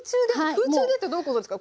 空中でってどういうことですか？